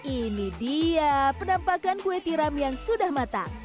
ini dia penampakan kue tiram yang sudah matang